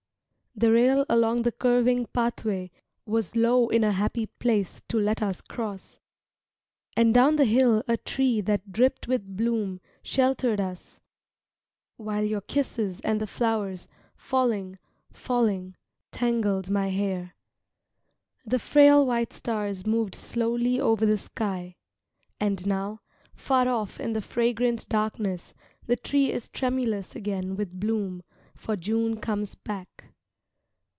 The rail along the curving pathway Was low in a happy place to let us cross, And down the hill a tree that dripped with bloom Sheltered us While your kisses and the flowers, Falling, falling, Tangled my hair. ... The frail white stars moved slowly over the sky. And now, far off In the fragrant darkness The tree is tremulous again with bloom For June comes back.